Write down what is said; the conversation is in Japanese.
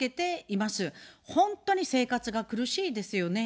本当に生活が苦しいですよね。